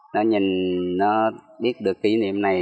nó nhìn nó biết được kỷ niệm này